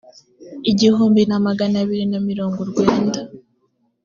igihumbi na magana abiri na mirongo urwenda